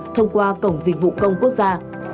thông qua cổng dịch vụ công quốc gia